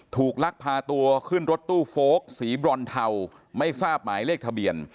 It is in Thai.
ลักพาตัวขึ้นรถตู้โฟลกสีบรอนเทาไม่ทราบหมายเลขทะเบียน